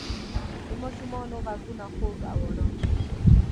د ماشومانو ږغونه خوږ او نرم وي.